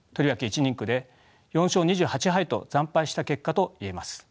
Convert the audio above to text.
一人区で４勝２８敗と惨敗した結果といえます。